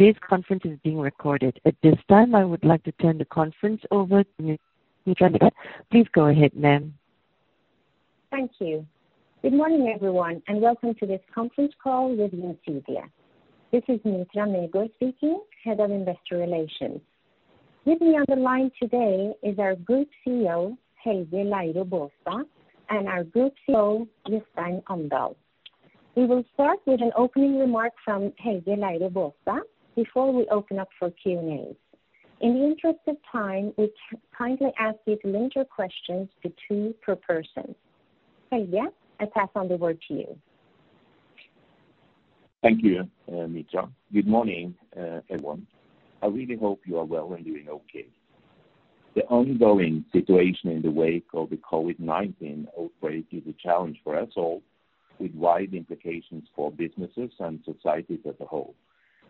Today's conference is being recorded. At this time, I would like to turn the conference over to Mitra Negård. Please go ahead, ma'am. Thank you. Good morning, everyone, and welcome to this conference call with Gjensidige. This is Mitra Negård speaking, Head of Investor Relations. With me on the line today is our Group CEO, Helge Leire Baastad, and our Group CFO, Jostein Amdal. We will start with an opening remark from Helge Leire Baastad before we open up for Q&A. In the interest of time, we kindly ask you to limit your questions to two per person. Helge, I pass on the word to you. Thank you, Mitra. Good morning, everyone. I really hope you are well and doing okay. The ongoing situation in the wake of the COVID-19 outbreak is a challenge for us all, with wide implications for businesses and societies as a whole.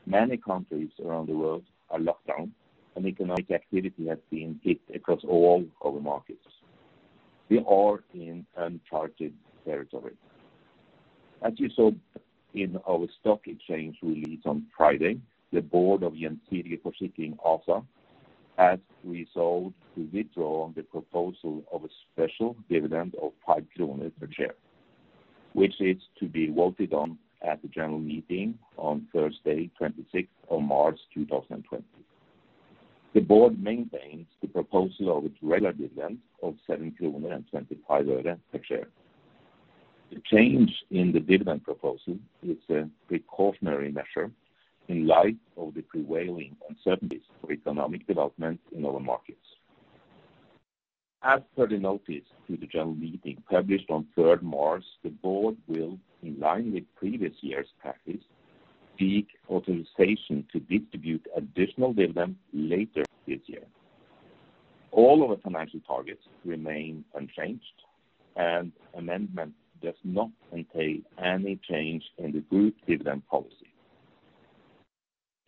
Many countries around the world are locked down, and economic activity has been hit across all of the markets. We are in uncharted territory. As you saw in our stock exchange release on Friday, the Board of Gjensidige Forsikring ASA has resolved to withdraw the proposal of a special dividend of 5 kroner per share, which is to be voted on at the General Meeting on Thursday, 26th of March 2020. The Board maintains the proposal of its regular dividend of NOK 7.25 per share. The change in the dividend proposal is a precautionary measure in light of the prevailing uncertainties for economic development in our markets. As per the notice to the general meeting published on third March, the Board will, in line with previous year's practice, seek authorization to distribute additional dividends later this year. All of the financial targets remain unchanged, and the amendment does not entail any change in the Group dividend policy.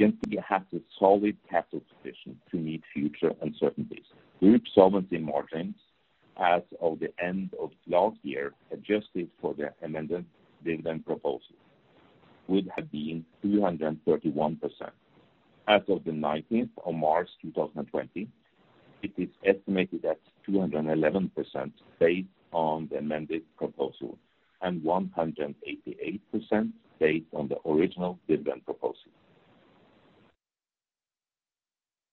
Gjensidige has a solid capital position to meet future uncertainties. Group solvency margins, as of the end of last year, adjusted for the amended dividend proposal, would have been 231%. As of the 19th of March 2020, it is estimated at 211% based on the amended proposal and 188% based on the original dividend proposal.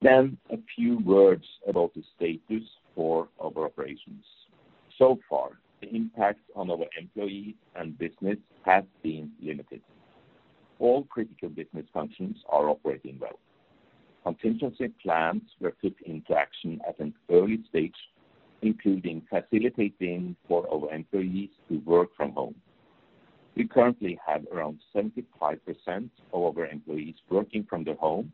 Then a few words about the status for our operations. So far, the impact on our employees and business has been limited. All critical business functions are operating well. Contingency plans were put into action at an early stage, including facilitating for our employees to work from home. We currently have around 75% of our employees working from their homes,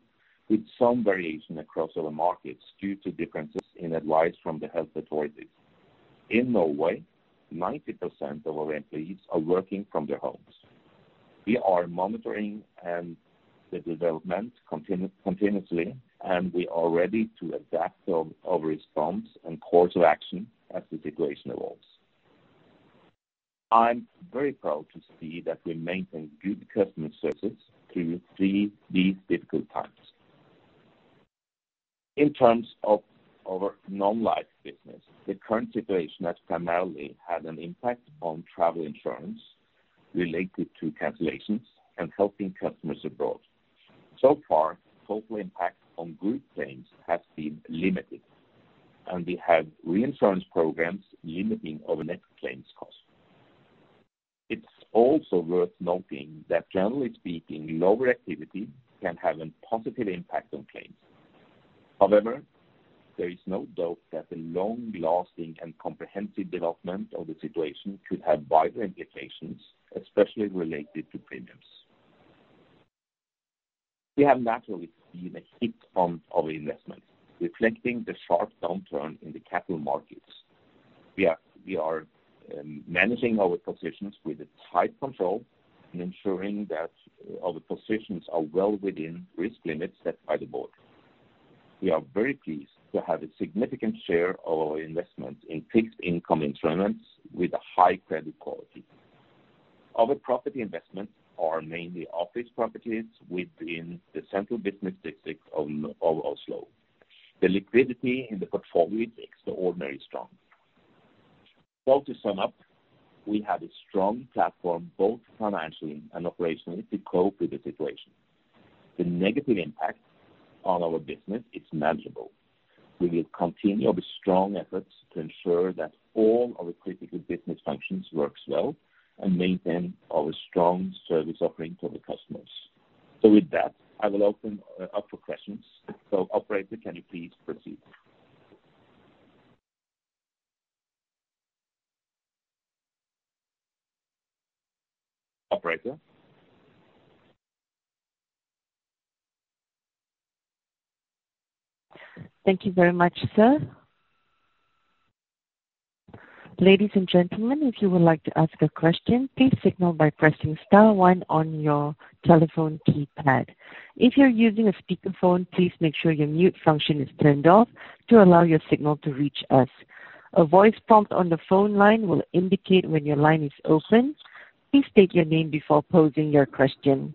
with some variation across our markets due to different factors, in accordance with the health authorities. In Norway, 90% of our employees are working from their homes. We are monitoring the development continuously, and we are ready to adapt our response and course of action as the situation evolves. I'm very proud to see that we maintain good customer services through these difficult times. In terms of our non-life business, the current situation has primarily had an impact on travel insurance related to cancellations and helping customers abroad. So far, the total impact on group claims has been limited, and we have reinsurance programs limiting our net claims cost. It's also worth noting that, generally speaking, lower activity can have a positive impact on claims. However, there is no doubt that the long-lasting and comprehensive development of the situation could have wider implications, especially related to premiums. We have naturally been hit on our investments, reflecting the sharp downturn in the capital markets. We are managing our positions with tight control and ensuring that our positions are well within risk limits set by the Board. We are very pleased to have a significant share of our investments in fixed-income instruments with a high credit quality. Our property investments are mainly office properties within the central business district of Oslo. The liquidity in the portfolio is extraordinarily strong. So, to sum up, we have a strong platform both financially and operationally to cope with the situation. The negative impact on our business is manageable. We will continue our strong efforts to ensure that all of the critical business functions work well and maintain our strong service offering to our customers. So, with that, I will open up for questions. So, Operator, can you please proceed? Operator? Thank you very much, sir. Ladies and gentlemen, if you would like to ask a question, please signal by pressing star one on your telephone keypad. If you're using a speakerphone, please make sure your mute function is turned off to allow your signal to reach us. A voice prompt on the phone line will indicate when your line is open. Please state your name before posing your question.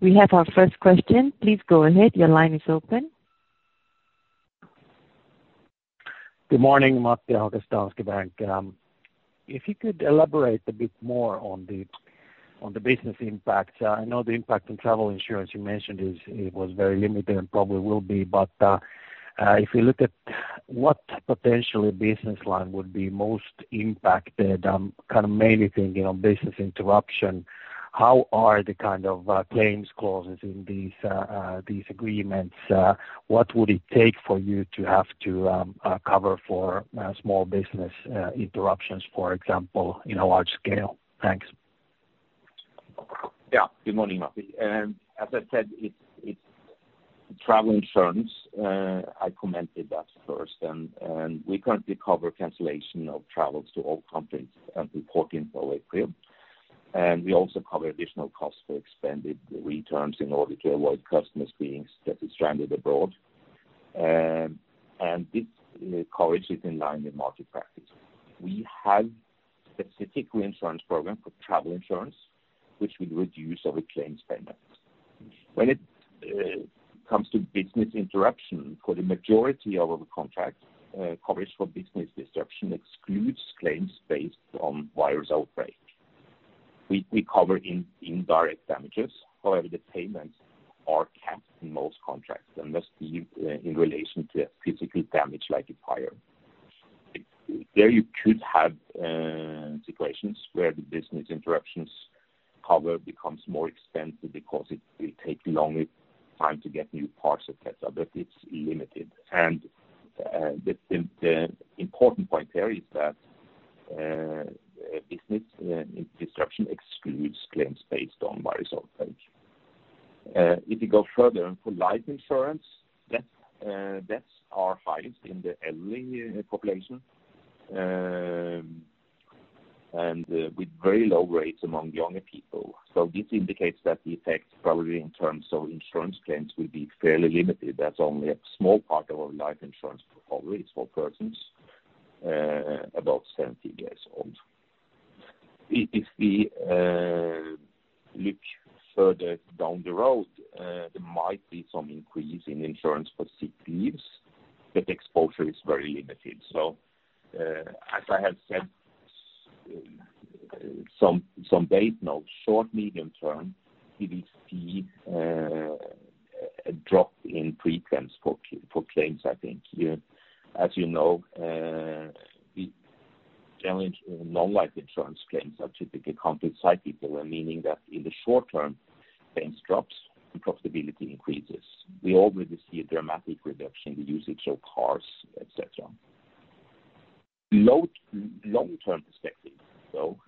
We have our first question. Please go ahead. Your line is open. Good morning, Matti Ahokas from Danske Bank. If you could elaborate a bit more on the business impact. I know the impact on travel insurance you mentioned was very limited and probably will be, but if you look at what potentially business lines would be most impacted, kind of mainly thinking of business interruption, how are the kind of claims clauses in these agreements? What would it take for you to have to cover for small business interruptions, for example, in a large scale? Thanks. Yeah. Good morning, Matti. As I said, it's travel insurance. I commented that first. And we currently cover cancellation of travels to all countries until 14th of April. And we also cover additional costs for expanded returns in order to avoid customers being stranded abroad. And this coverage is in line with market practice. We have a specific reinsurance program for travel insurance, which would reduce our claims payments. When it comes to business interruption, for the majority of our contracts, coverage for business interruption excludes claims based on virus outbreak. We cover indirect damages. However, the payments are capped in most contracts and must be in relation to physical damage like a fire. There you could have situations where the business interruption cover becomes more expensive because it will take longer time to get new parts, etc., but it's limited. The important point here is that business interruption excludes claims based on COVID-19 outbreak. If you go further, for life insurance, deaths are highest in the elderly population and with very low rates among younger people. This indicates that the effects probably in terms of insurance claims will be fairly limited. That's only a small part of our life insurance for persons about 17 years old. If we look further down the road, there might be some increase in insurance for sick leaves, but exposure is very limited. As I have said, in the base case, short- to medium-term, we will see a drop in premiums and claims, I think. As you know, non-life insurance claims are typically accounted for by people, meaning that in the short term, claims drop and profitability increases. We already see a dramatic reduction in the usage of cars, etc. Long-term perspective, though,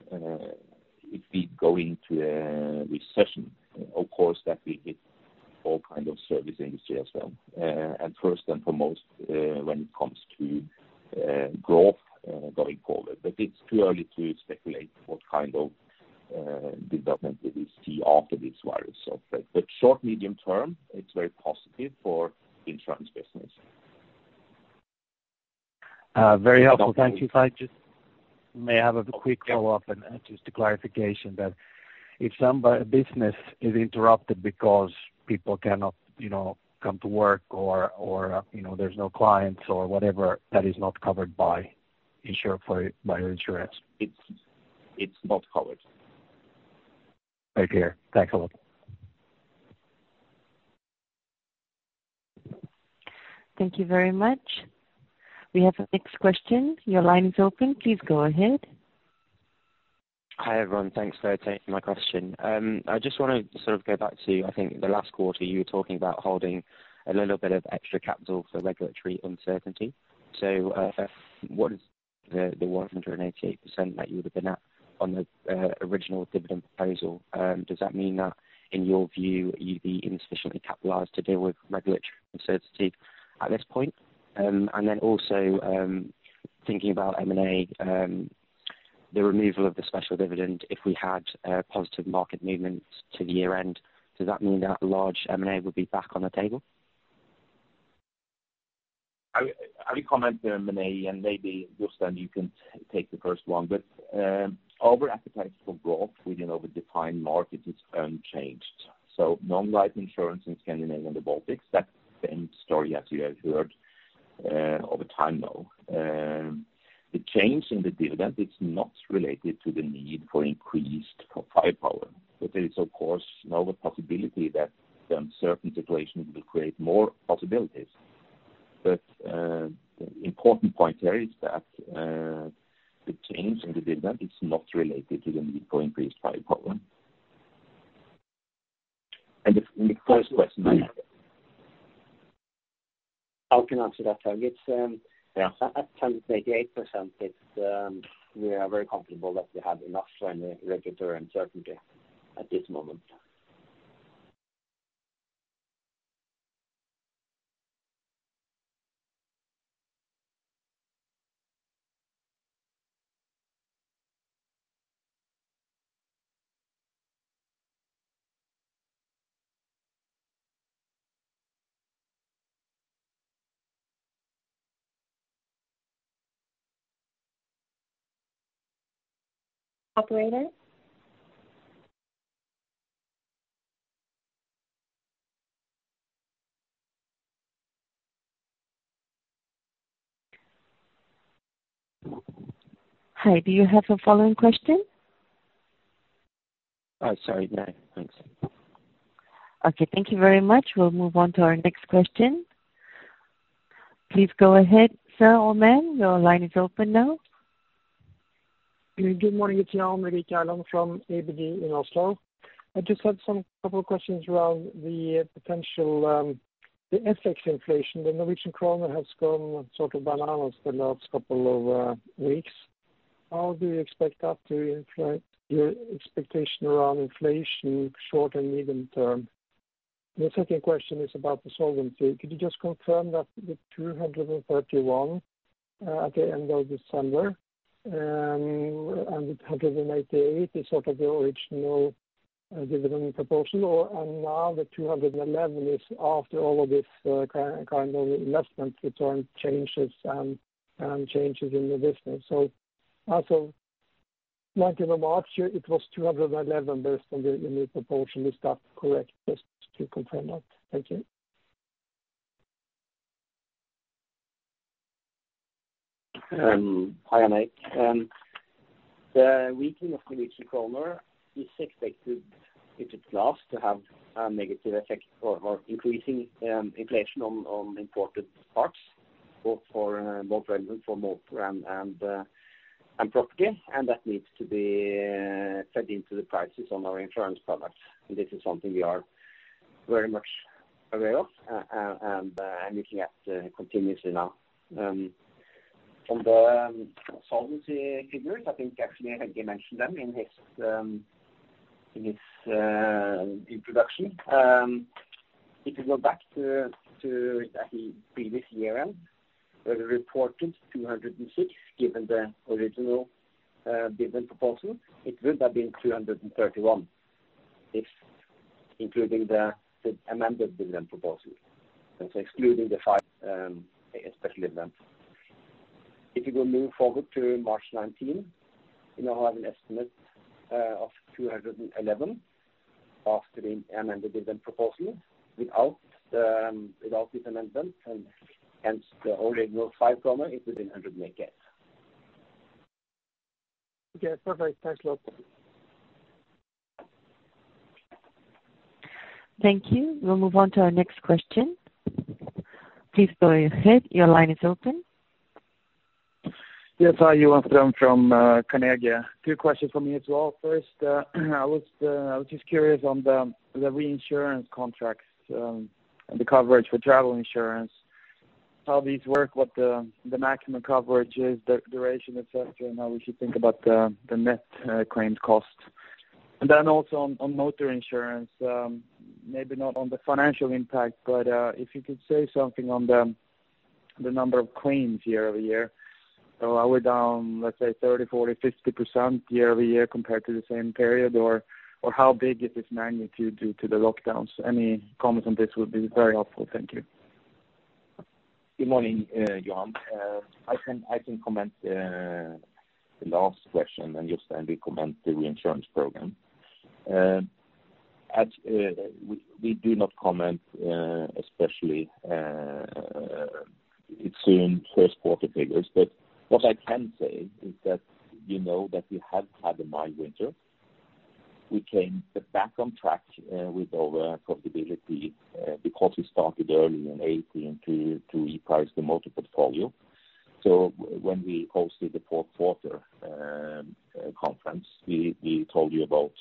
if we go into a recession, of course, that will hit all kinds of service industries as well, and first and foremost, when it comes to growth going forward, but it's too early to speculate what kind of development we will see after this virus outbreak, but short-medium term, it's very positive for insurance business. Very helpful. Thank you. May I have a quick follow-up and just a clarification that if a business is interrupted because people cannot come to work or there's no clients or whatever, that is not covered by insurance? It's not covered. Thank you. Thanks a lot. Thank you very much. We have the next question. Your line is open. Please go ahead. Hi, everyone. Thanks for taking my question. I just want to sort of go back to, I think, the last quarter you were talking about holding a little bit of extra capital for regulatory uncertainty. So what is the 188% that you would have been at on the original dividend proposal? Does that mean that, in your view, you'd be insufficiently capitalized to deal with regulatory uncertainty at this point? And then also thinking about M&A, the removal of the special dividend, if we had positive market movements to the year-end, does that mean that large M&A would be back on the table? I would comment on M&A, and maybe Jostein, you can take the first one. But our appetite for growth within our defined market is unchanged. So non-life insurance in Scandinavia and the Baltics, that's the same story as you have heard over time now. The change in the dividend is not related to the need for increased firepower. But there is, of course, now a possibility that the uncertain situation will create more possibilities. But the important point here is that the change in the dividend is not related to the need for increased firepower. And the first question I have. I can answer that, Helge. At 188%, we are very comfortable that we have enough regulatory uncertainty at this moment. Operator? Hi, do you have a following question? Sorry. Thanks. Okay. Thank you very much. We'll move on to our next question. Please go ahead, sir or ma'am. Your line is open now. Good morning to you all. Morning from ABG in Oslo. I just had some couple of questions around the potential FX inflation. The Norwegian Krone has gone sort of bananas the last couple of weeks. How do you expect that to influence your expectation around inflation short and medium term? The second question is about the solvency. Could you just confirm that the 231 at the end of December and the 188 is sort of the original dividend proposal, and now the 211 is after all of this kind of investment return changes and changes in the business? So as of like in the market, it was 211 based on the new proposal. Is that correct? Just to confirm that. Thank you. Hi, Gjerland. The weakening of the Norwegian Krone is expected to have a negative effect on increasing inflation on imported parts, both relevant for motor and property, and that needs to be fed into the prices on our insurance products. This is something we are very much aware of and looking at continuously now. On the solvency figures, I think actually Helge mentioned them in his introduction. If you go back to the previous year, where we reported 206 given the original dividend proposal, it would have been 231 if including the amended dividend proposal, excluding the special dividend. If you go move forward to March 19, you now have an estimate of 211 after the amended dividend proposal without this amendment, and hence the original firepower is 388. Okay. Perfect. Thanks a lot. Thank you. We'll move on to our next question. Please go ahead. Your line is open. Yes. Hi, Johan from Carnegie. Two questions for me as well. First, I was just curious on the reinsurance contracts and the coverage for travel insurance, how these work, what the maximum coverage is, the duration, etc., and how we should think about the net claims cost. And then also on motor insurance, maybe not on the financial impact, but if you could say something on the number of claims year-over-year. So are we down, let's say, 30%, 40%, 50% year over year compared to the same period, or how big is this magnitude due to the lockdowns? Any comments on this would be very helpful. Thank you. Good morning, Johan. I can comment the last question, and Jostein will comment the reinsurance program. We do not comment especially soon first-quarter figures, but what I can say is that we know that we have had a mild winter. We came back on track with our profitability because we started early in 2018 to reprice the motor portfolio. So when we hosted the fourth-quarter conference, we told you about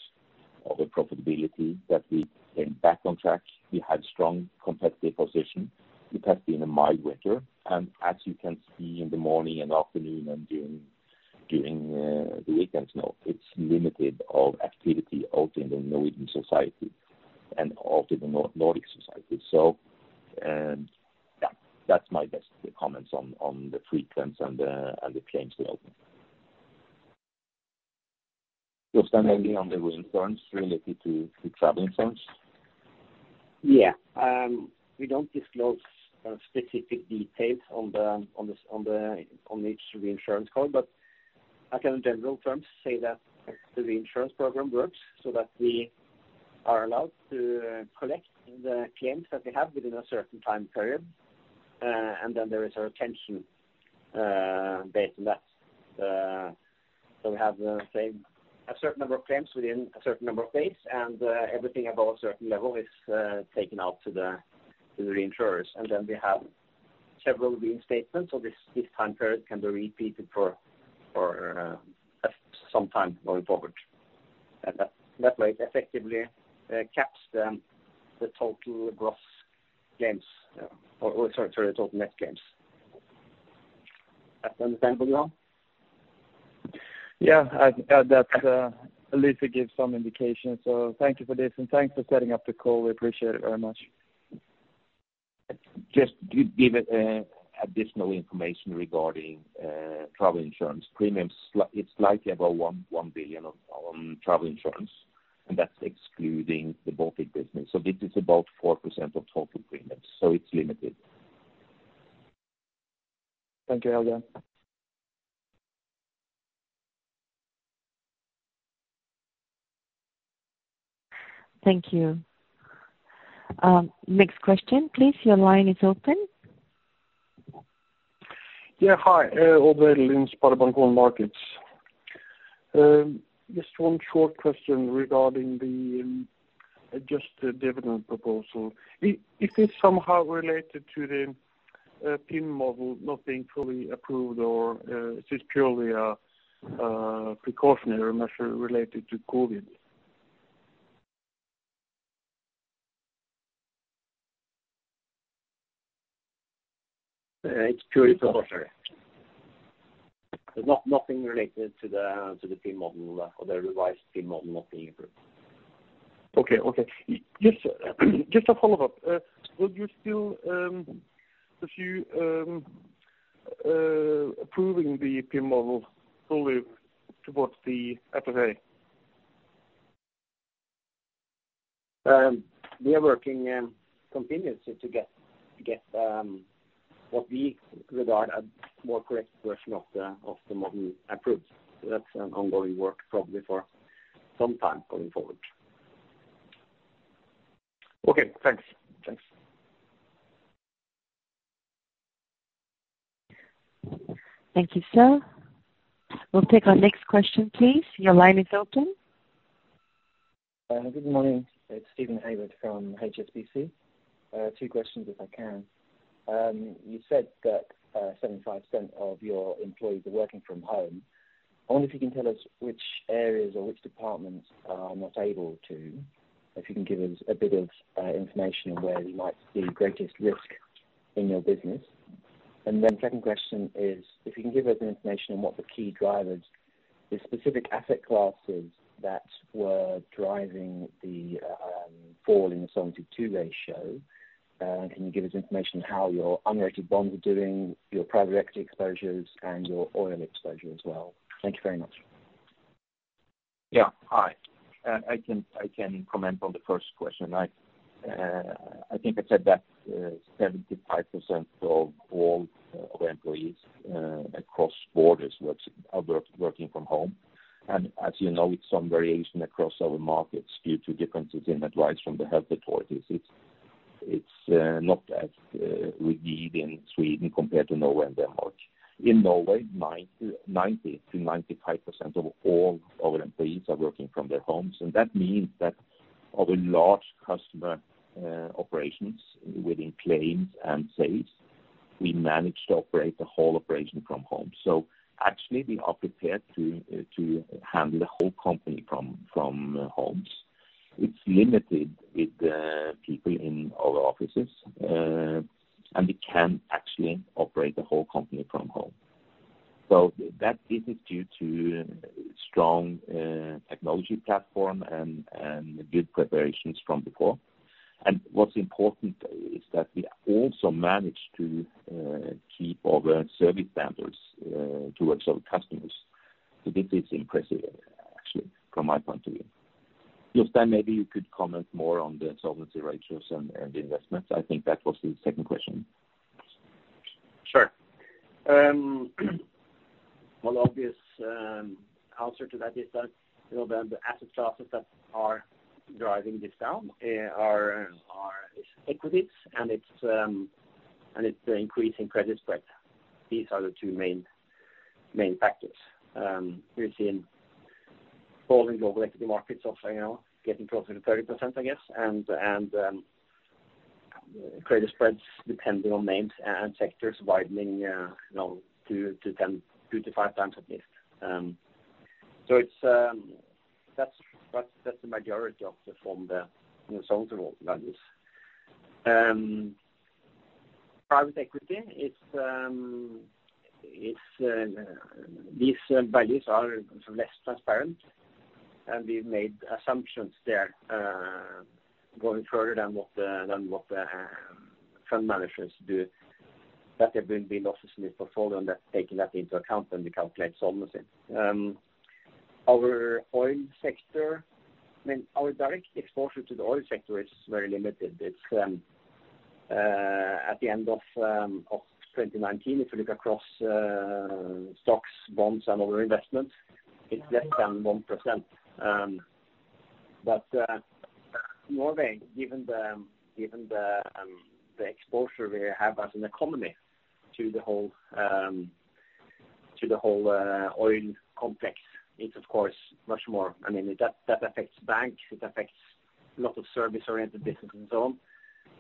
our profitability that we came back on track. We had a strong competitive position. It has been a mild winter. And as you can see in the morning and afternoon and during the weekends, it's limited activity out in the Norwegian society and out in the Nordic society. So that's my best comments on the pre-claims and the claims development. Jostein, anything on the reinsurance related to travel insurance? Yeah. We don't disclose specific details on each reinsurance code, but I can, in general terms, say that the reinsurance program works so that we are allowed to collect the claims that we have within a certain time period, and then there is a retention based on that. So we have a certain number of claims within a certain number of days, and everything above a certain level is taken out to the reinsurers. And then we have several reinstatements, so this time period can be repeated for some time going forward. And that way, it effectively caps the total gross claims or sorry, total net claims. That's understandable, Johan? Yeah. That at least it gives some indication. So thank you for this, and thanks for setting up the call. We appreciate it very much. Just to give additional information regarding travel insurance premiums, it's slightly above 1 billion on travel insurance, and that's excluding the Baltic business, so this is about 4% of total premiums, so it's limited. Thank you, Helge. Thank you. Next question, please. Your line is open. Yeah. Hi. Vidar Lyngvær, SpareBank 1 Markets. Just one short question regarding just the dividend proposal. Is this somehow related to the PIM model not being fully approved, or is this purely a precautionary measure related to COVID? It's purely precautionary. Nothing related to the PIM model or the revised PIM model not being approved. Okay. Okay. Just a follow-up. Would you still pursue approving the PIM model fully toward the FSA? We are working continuously to get what we regard as a more correct version of the model approved, so that's an ongoing work probably for some time going forward. Okay. Thanks. Thanks. Thank you, sir. We'll take our next question, please. Your line is open. Good morning. It's Steven Haywood from HSBC. Two questions, if I can. You said that 75% of your employees are working from home. I wonder if you can tell us which areas or which departments are not able to, if you can give us a bit of information on where you might see greatest risk in your business. And then second question is, if you can give us information on what the key drivers, the specific asset classes that were driving the fall in the Solvency II ratio, and can you give us information on how your unrated bonds are doing, your private equity exposures, and your oil exposure as well? Thank you very much. Yeah. Hi. I can comment on the first question. I think I said that 75% of all of our employees across borders are working from home. And as you know, with some variation across our markets due to differences in advice from the health authorities, it's not as rigid in Sweden compared to Norway and Denmark. In Norway, 90%-95% of all our employees are working from their homes. And that means that our large customer operations within claims and sales, we manage to operate the whole operation from home. So actually, we are prepared to handle the whole company from homes. It's limited with people in our offices, and we can actually operate the whole company from home. So this is due to a strong technology platform and good preparations from before. What's important is that we also manage to keep our service standards towards our customers. This is impressive, actually, from my point of view. Jostein, maybe you could comment more on the solvency ratios and the investments. I think that was the second question. Sure. One obvious answer to that is that the asset classes that are driving this down are equities, and it's the increasing credit spread. These are the two main factors. We've seen fall in global equity markets of getting closer to 30%, I guess, and credit spreads depending on names and sectors widening now two to five times at least. So that's the majority of the solvency values. Private equity, these values are less transparent, and we've made assumptions there going further than what the fund managers do, that there will be losses in the portfolio, and that's taking that into account when we calculate solvency. Our oil sector, I mean, our direct exposure to the oil sector is very limited. At the end of 2019, if you look across stocks, bonds, and other investments, it's less than 1%. But Norway, given the exposure we have as an economy to the whole oil complex, it's, of course, much more. I mean, that affects banks. It affects a lot of service-oriented businesses and so on.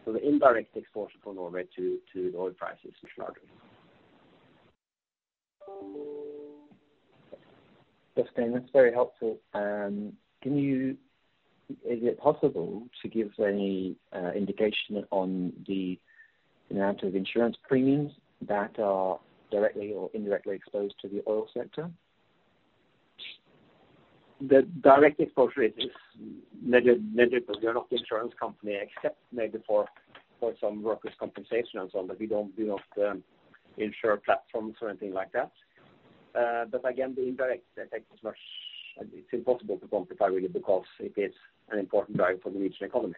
So the indirect exposure for Norway to the oil prices is much larger. Jostein, that's very helpful. Is it possible to give us any indication on the amount of insurance premiums that are directly or indirectly exposed to the oil sector? The direct exposure is negative, because we are not the insurance company, except maybe for some workers' compensation and so on, but we don't do insurance platforms or anything like that. But again, the indirect effect is much. It's impossible to quantify really because it is an important driver for the regional economy.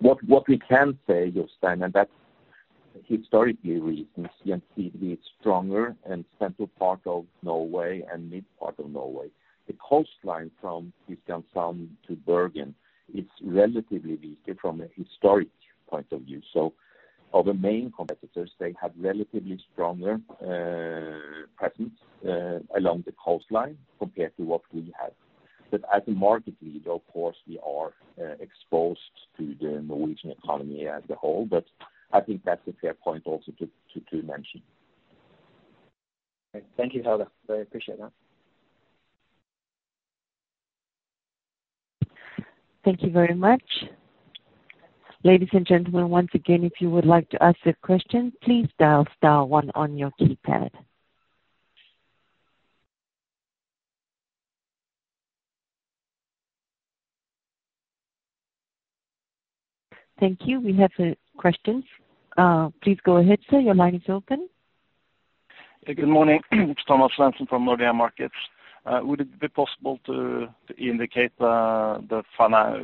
But what we can say, Jostein, and that's historical reasons, you can see it's stronger in central part of Norway and mid part of Norway. The coastline from Kristiansand to Bergen is relatively weaker from a historical point of view. So our main competitors, they have relatively stronger presence along the coastline compared to what we have. But as a market leader, of course, we are exposed to the Norwegian economy as a whole, but I think that's a fair point also to mention. Thank you, Helge. I appreciate that. Thank you very much. Ladies and gentlemen, once again, if you would like to ask a question, please dial one on your keypad. Thank you. We have questions. Please go ahead, sir. Your line is open. Good morning. It's Thomas Svendsen from Nordea Markets. Would it be possible to indicate the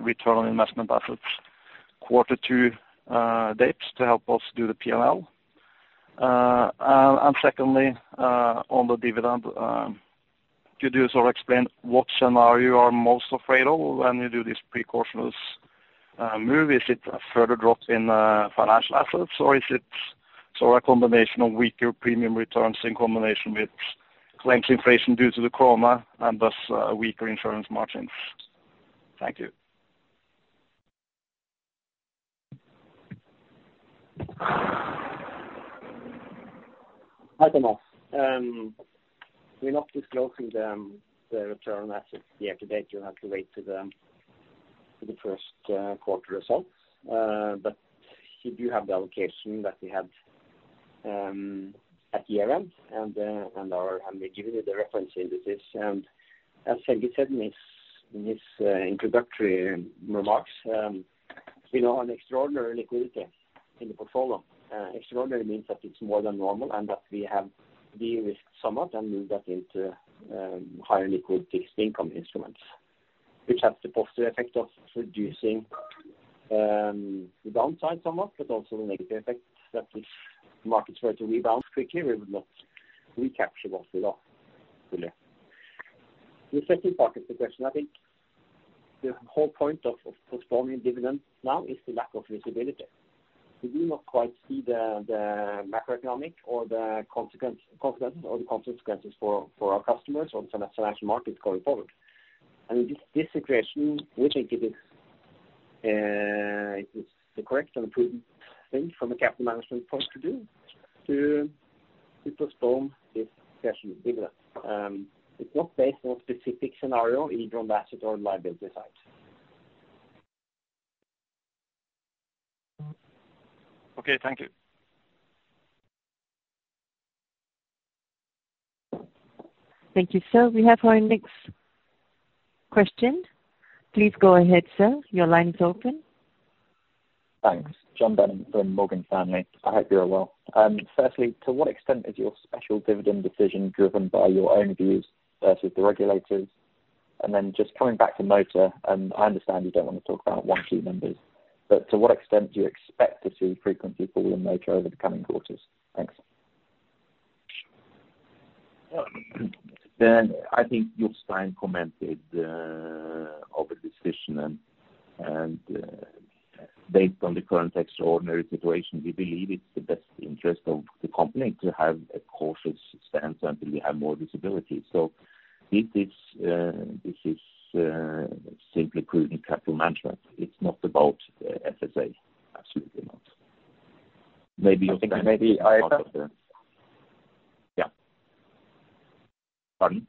return on investment assets quarter two dates to help us do the P&L? And secondly, on the dividend, could you sort of explain what scenario you are most afraid of when you do this precautionary move? Is it a further drop in financial assets, or is it sort of a combination of weaker premium returns in combination with claims inflation due to the corona and thus weaker insurance margins? Thank you. Hi, Thomas. We're not disclosing the return on assets year to date. You'll have to wait for the first quarter results. But you do have the allocation that we had at year-end, and we're giving you the reference indices. And as Helge said in his introductory remarks, we now have extraordinary liquidity in the portfolio. Extraordinary means that it's more than normal and that we have de-risked somewhat and moved that into higher liquid fixed income instruments, which has the positive effect of reducing the downside somewhat, but also the negative effect that if markets were to rebound quickly, we would not recapture what we lost earlier. The second part of the question, I think the whole point of postponing dividends now is the lack of visibility. We do not quite see the macroeconomic or the consequences for our customers or the financial markets going forward. In this situation, we think it is the correct and prudent thing from a capital management point of view to postpone this discussion of dividends. It's not based on a specific scenario either on the asset or liability side. Okay. Thank you. Thank you, sir. We have our next question. Please go ahead, sir. Your line is open. Thanks. Jon Hocking from Morgan Stanley. I hope you're well. Firstly, to what extent is your special dividend decision driven by your own views versus the regulators? And then just coming back to motor, I understand you don't want to talk about one key metric, but to what extent do you expect to see frequency fall in motor over the coming quarters? Thanks. I think Jostein commented on the decision, and based on the current extraordinary situation, we believe it's in the best interest of the company to have a cautious stance until we have more visibility. So this is simply prudent capital management. It's not about FSA. Absolutely not. Maybe you're thinking about something. Thinking maybe EIOPA. Yeah. Pardon?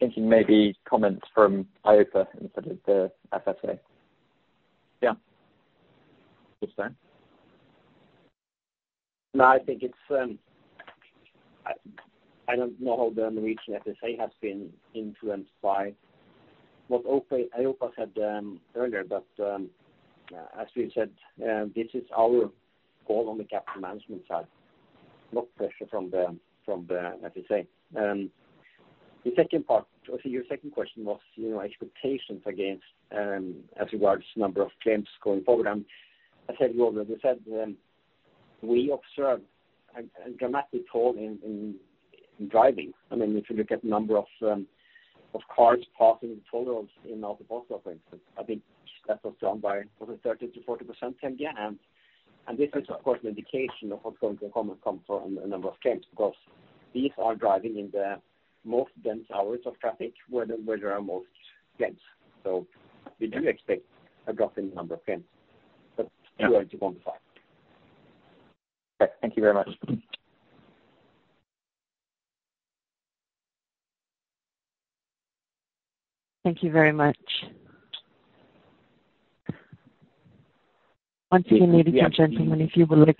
Thinking maybe comments from EIOPA instead of the FSA. Yeah. Jostein? No, I think it's. I don't know how the Norwegian FSA has been influenced by what EIOPA said earlier, but as we said, this is our call on the capital management side, not pressure from the FSA. The second part, or your second question, was expectations as regards to number of claims going forward. And as I said, we observed a dramatic fall in driving. I mean, if you look at the number of cars passing the toll roads in AutoPASS, for instance, I think that was down by 30%-40%, Helge. And this is, of course, an indication of what's going to come from the number of claims because these are driving in the most dense hours of traffic where there are most claims. So we do expect a drop in the number of claims, but we're going to quantify. Okay. Thank you very much. Thank you very much. Once again, ladies and gentlemen, if you would like.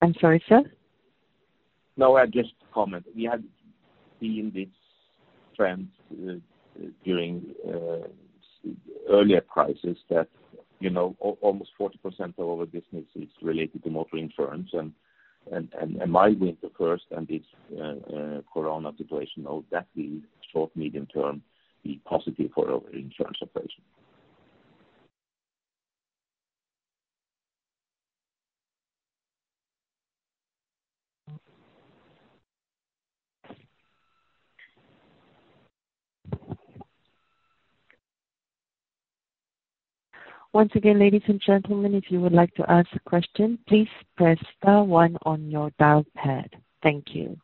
I'm sorry, sir? No, I just commented. We had seen this trend during earlier crisis that almost 40% of our business is related to motor insurance, and a mild winter first and this Corona situation now that will, short-medium term, be positive for our insurance operation. Once again, ladies and gentlemen, if you would like to ask a question, please press one on your dial pad. Thank you.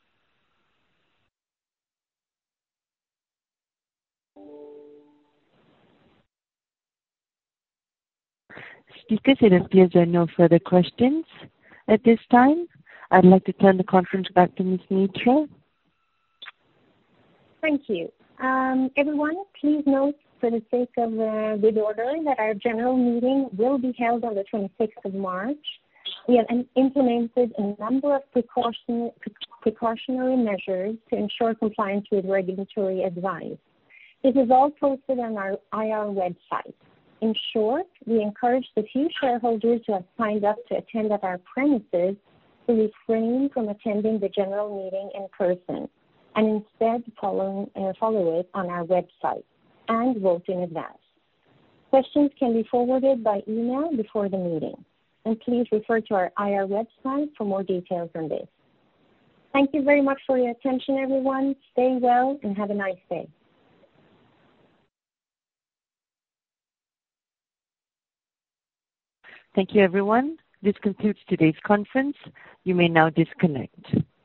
Speaker, it appears there are no further questions at this time. I'd like to turn the conference back to Ms. Mitra. Thank you. Everyone, please note for the sake of good order that our general meeting will be held on the 26th of March. We have implemented a number of precautionary measures to ensure compliance with regulatory advice. This is all posted on our IR website. In short, we encourage the few shareholders who have signed up to attend at our premises to refrain from attending the general meeting in person and instead follow it on our website and vote in advance. Questions can be forwarded by email before the meeting. And please refer to our IR website for more details on this. Thank you very much for your attention, everyone. Stay well and have a nice day. Thank you, everyone. This concludes today's conference. You may now disconnect.